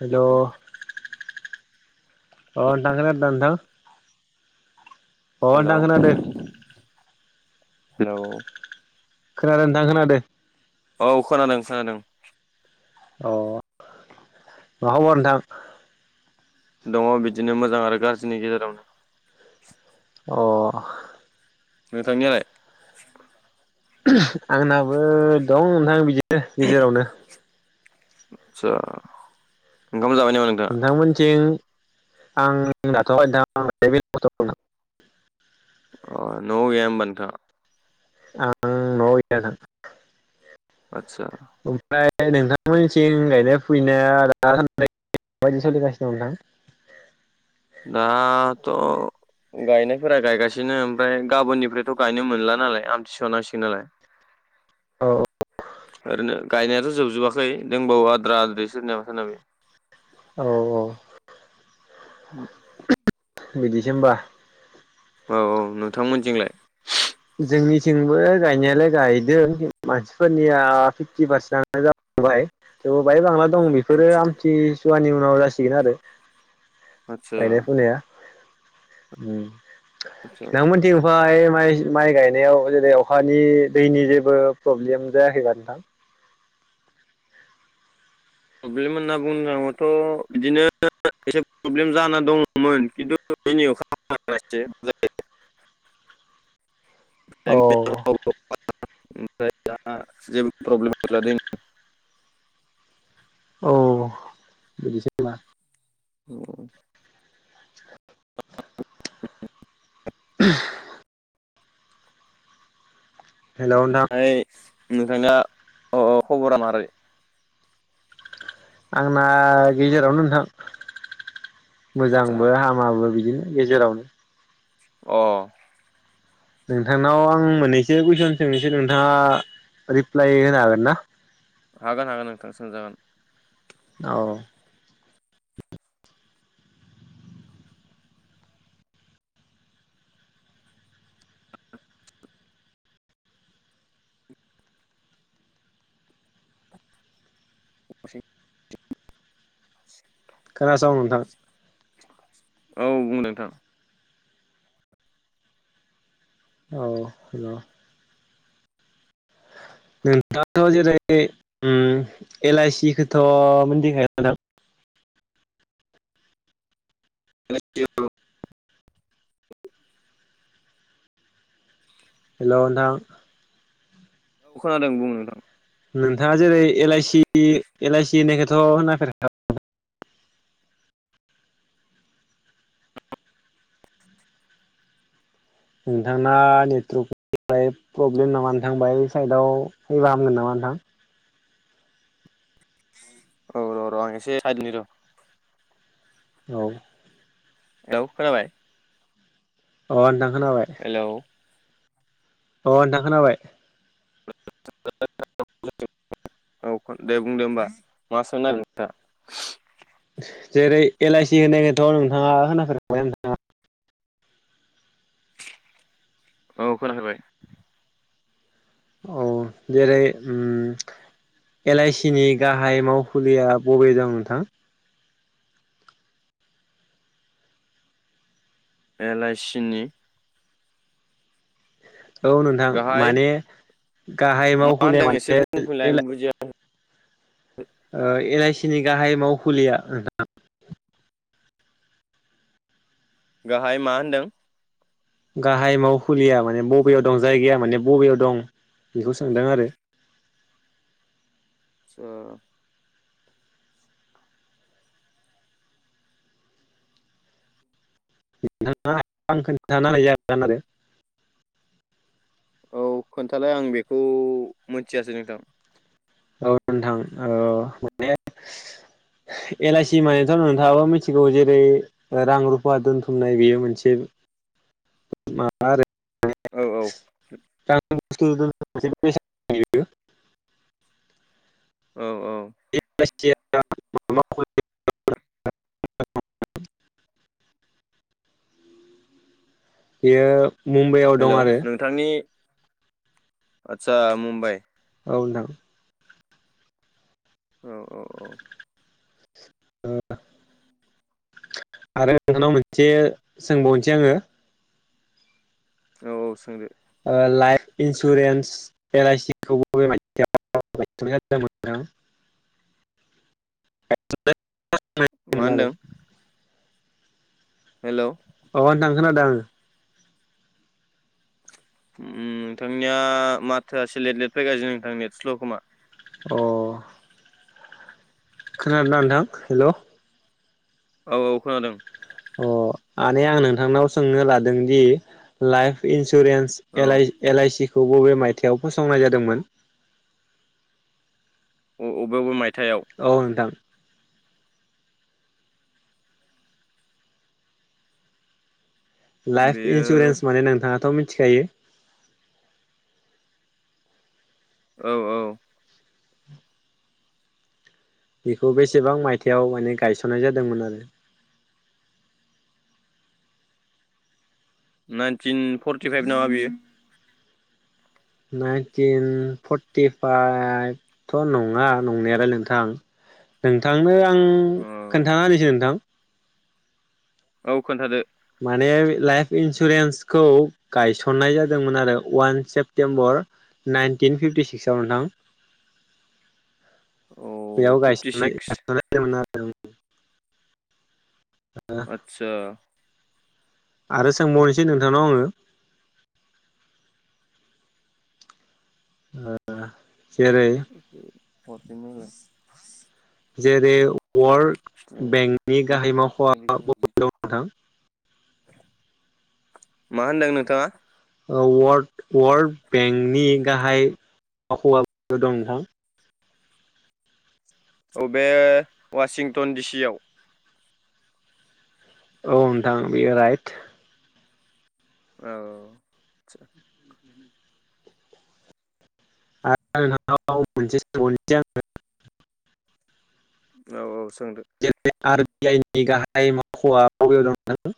हेल' अह नोंथां खोनादोना नोंथां? हेलौ अ नोंथां हेलौ खोनादों नोंथां खोनादो। औ खोनादों खोनादों। अह मा खबर नोंथां? दङ' बिदिनो मोजां आरो गाज्रिनि गेजेरावनो अह। नोंथांनियालाय? आंनाबो दं नोंथां बिदिनो दे गेजेरावनो आतसा उम नोंथांमोनथिं आं लाथवाखै [unintelligible] अह न'आव गैया होमबा नोंथाङा? आं न'आव गैया दा आतसा ओमफ्राय नोंथांमोनथिं गायनाय फुनाया माबायदि सोलिगासिनो दं नोंथां? दाथ' गायनायफोरा गायगासिनो ओमफ्राय गाबोननिफ्रायथ' गायनो मोनला नालाय आमथि सुवा नांसिगोन नालाय। औ। ओरैनो गायनायाथ' जोबजोबाखै दोंबावो आद्रा आद्रि सोरनियाबा सोरनियाबा। औ औ। [unintelligible] बिदिसो होमबा? औ औ नोंथांमोनजोंलाय? जोंनिथिंबो गायनायालाय गायदों मानसिफोरनिया फिफ्टि पारसेन्टआनो जालांबाय थेवबो बाहाय बांला दं बेफोरो आदसा आमथि सुवानि उनाव जासिगोन आरो आदसा गायनाय फुनाया उम। आदसा नोंथां मोनथिं ओमफ्राय फ्राय माइ गायनायाव जेरै अखानि दैनि जेबो प्रब्लेम जायाखैबा नोंथां? प्रब्लेम होनना बुंनो थाङोब्लाथ' बिदिनो एसे प्रब्लेम जाना दङमोन खिन्थु दिनै अखा हाना होबायना इसे जालांबाय औ। ओफ्राय दा जेबो प्रब्लेम दैनि औ बिदिसो होमबा? औ [unintelligible] हेलौ नोंथां नोंथांङा अह खबरा मारै? आंना गेजेरावनो नोंथां। आदसा मोजांबो हामाबो बि बिदिनो गेजेरावनो अ नोंथांनाव आं मोननैसो कुइसन सोंनोसो नोंथाङा रिप्लाय होनो हागोन ना? हागोन हागोन नोंथां सों जागोन औ [unintelligible] [inaudible] खोनासं नोंथां औ बुं नोंथां औ हेलौ नोंथांआथ' जेरै उम एल आइ सि खौथ' मिनथिखायोदां? [unintelligible] हेलौ नोंथां औ खोनादों बुं नोंथां नोंथाङा जेरै एल आइसि एल आइसि होननायखौथ' होनाफेराखा नोंथांना नेटवर्कनिफ्राय प्रब्लेम नामा नोंथां बाय साइडआव फैबा हामगोन नामा नोंथां? औ र' र' आं एसे साइदिनि र' औ औ खोनाबाय अ नोंथां खोनाबाय। हेलौ औ अह नोंथां खोनाबाय। [unintelligible] औ दे बुंदो होमबा मा सोंनो नागिरदो नोंथाङा जेरै एलाइसि होनायखौथ' नोंथाङा होनाफेरखाबाय नोंथाङा? औ खोनाफेरबाय। औ जेरै उम एल आइसि नि गाहाय मावखुलिया बबे दं नोंथां? एलआइसि नि औ नोंथां गाहाय माने गाहाय मा मावखुलि होनदों एसे माने बुंफिनलाय आं बुजिया ओ एल आइ थिनि गाहाय मावखुलिया नोंथां गाहाय मा होनदों? गाहाय मावखुलिया माने बबेयाव दं जायगाया माने बबेयाव दं बेखौ सोंदों आरो ओ [unintelligible] औ खोन्थालाय आं बेखौ मिथियासै नोंथां औ नोंथां ओ माने एल आइ सि मानेथ' नोंथाङाबो मिथिगौ जेरै रां रुफा दोनथुमनाय बेयो मोनसे मारै औ औ [unintelligible] [unintelligible] औ औ [unintelligible] बियो मुम्बाइआव दं आरो। आतसा मुम्बाइ औ नोंथां औ औ औ [unintelligible] आरो नोंथांनाव मोनसे सोंबावनोसै आङो। औ औ सोंदो। लाइफ इन्सुरेन्स एल आइसि खौबो [unintelligible] मा होनदों? हेल' अ नोंथां खोनादों आं। ओम नोंथांनिया माथोआ से लेट लेट फैगासिनो नोंथांनि नेट स्ल' खोमा। अ खोनादोंना नोंथां हेल'? औ औ खोनादों। अ आने आं नोंथांनाव सोंनो लादों दि लाइफ इन्स इन्सुरेन्स औ एलआइ एलआइ सि खौ बबे मायथायाइाव फसंनाय जादोंमोन? अ उबे उबे माय औ नोंथां। लाइफ बेयो इन्सुरेस्न माने नोंथाङाथ' मि मिथिखायो। औ औ बेखौ बेसेबां मायथायाइाव माने गायसननाय जादोंमोन आरो? नाइनटिन फर्टिफाइभ नामा बियो? नाइनटिन फर्टिफाइभथ' नङा नंनायालाय नोंथां नोंथांनो आं औ खोन्थानानिसै नोंथां। औ खोन्थादो। माने लाइफ इन्सुरेन्सखौ गायसननाय जादोंमोन आरो अवान सेप्तेम्बर नाइनटिन फिफटिसिक्सआव नोंथां। औ बियाव फिफ्टि गायस'नाय सिक्स गायस'नाय जादोंमोन आरो। औ। आतसा आरो सोंबावनोसै नोंथांनाव आङो ओ जेरै [unintelligible] जेरै वर्लड बेंकनि गाहाय मावख'आ बबेयाव दं नोंथां? मा होनदों नोंथाङा? वार वर्ड बेंकनि गाहाय मावख'वा बबेयाव दं नोंथां औ बे वासिंटन डि सि आव औ नोंथां बियो राइट औ आरो नोंथां आव मोनसे सोंबावनसै आङो औ औ सोंदो जेरै आर बि आइ नि गाहाय मावख'वा बबेयाव दं नोंथां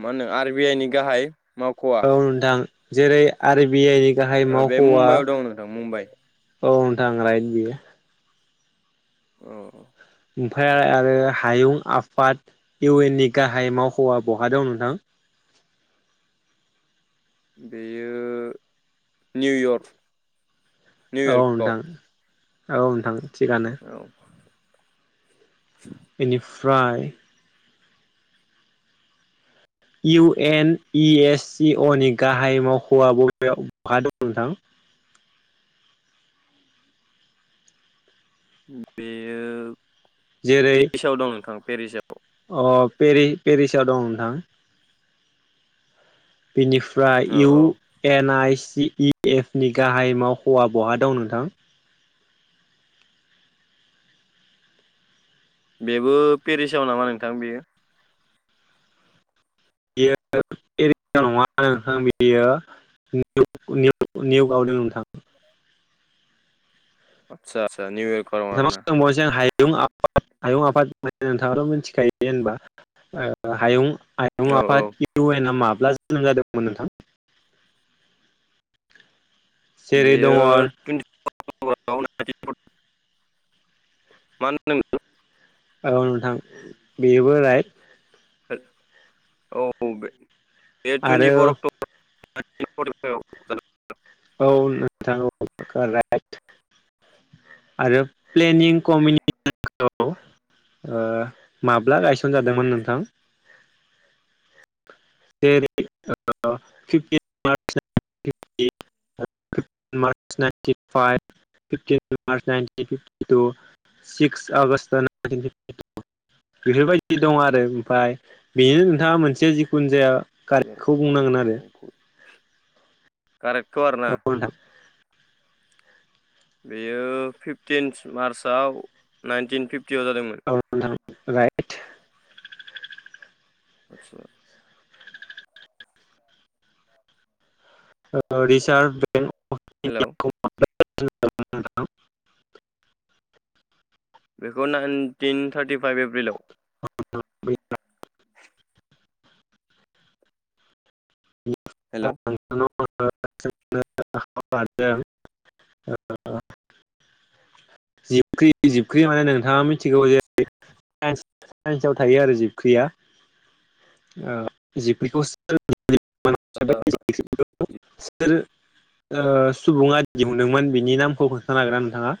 मा होनो आर बि आइ नि गाहाय मावख'वा औ नोंथां जेरै आर बि आइ गाहाय बे मावख'आ मुम्बायाव दं नोंथां मुम्बाइ औ नोंथां राइत बियो औ ओमफ्राय आरो हायुं आफाद इउ एन नि गाहाय मावख'आ बहा दं नोंथां बेयो निउयर्क औ निउयर्कआव नोंथां औ नोंथां थिगानो औ बेनिफ्राय इउ एन इ एस सिअ नि गाहाय मावख'वा बबेयाव बहा दं नोंथां बेयो जेरै पेरिसाव दं नोंथां पेरिसाव अ पेरि पेरिसाव दं नोंथां बिनिफ्राय औ इउ औ N I C E F नि गाहाय मावख'वा बहा दं नोंथां बेबो पेरिसाव नामा नोंथां बेयो बेयो [unintelligible] नङा नोंथां बेयो [unintelligible] निउयर्क दों नोंथां आतसा निउयर्क आव नङा नोंथांनाव आरोना सोंबावनोसै आं हायुं आफाद हायुं आफाद माने नोंथाङाथ मिथिखायो जेनबा हायुं आयुं औ औ आफाद इउ एन माब लाजि मोजां जादोंमोन नोंथां जेरै दङ बेयो औ [unintelligible] [unintelligible] मान नों ओ औ नोंथां बेबो राइट औ बे देट आरो टुइन्टि फर अक्टबर [inaudible] औ नोंथां [unintelligible] राइद आरो प्लेनिं [unintelligible] ओ माब्ला गायसनजादोंमोन नोंथां। [unintelligible] खुनजाया। [inaudible] कारेकतखौ आरोना। औ नोंथां बेयो फिफटिन मार्चआव नाइनटिन फिफटि। [unintelligible] जादोंमोन। औ नोंथां राइट। आतसा। [unintelligible] हेलौ [inaudible] [inaudible] बेखौ नाइनटिन थार्टिफाइभ एप्रिलाव। [inaudible] हेल'। [inaudible] जिबख्रि जिबख्रि माने नोंथाङा मिथिगौ जे साइन्सआव थायो आरो जिबख्रिया जिबख्रिखौ [inaudible] [inaudible] ओ सुबुङा दिहुनदोंमोन बिनि नामखौ खोन्थानो हागोन्ना नोंथाङा।